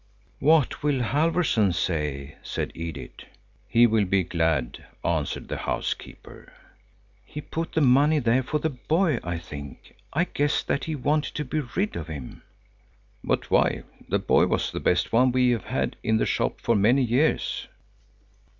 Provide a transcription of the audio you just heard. "What will Halfvorson say?" said Edith. "He will be glad," answered the housekeeper. "He put the money there for the boy, I think. I guess that he wanted to be rid of him." "But why? The boy was the best one we have had in the shop for many years."